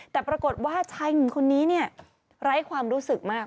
แต่ปรากฏว่าชายหนุ่มคนนี้เนี่ยไร้ความรู้สึกมาก